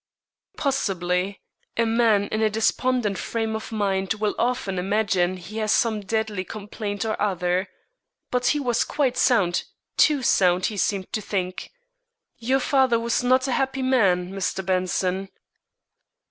"Possibly; a man in a despondent frame of mind will often imagine he has some deadly complaint or other. But he was quite sound; too sound, he seemed to think. Your father was not a happy man, Mr. Benson."